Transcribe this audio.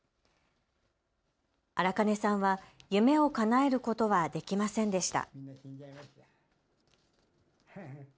荒金さんは夢をかなえることはできませんでした。